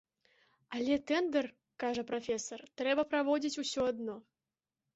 Але тэндэр, кажа прафесар, трэба праводзіць усё адно.